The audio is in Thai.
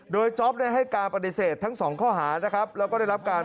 โดยจ๊อปได้ให้การปฏิเสธทั้งสองข้อหานะครับแล้วก็ได้รับการ